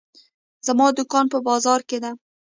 زما دوکان په بازار کې ده.